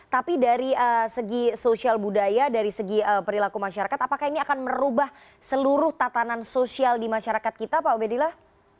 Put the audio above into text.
tapi dari segi sosial budaya dari segi perilaku masyarakat apakah ini akan merubah seluruh tatanan sosial di masyarakat kita pak ubedillah